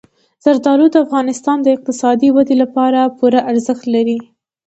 زردالو د افغانستان د اقتصادي ودې لپاره پوره ارزښت لري.